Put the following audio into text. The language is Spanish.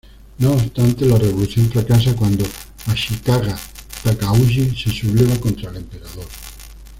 No obstante, la revolución fracasa cuando Ashikaga Takauji se subleva contra el emperador.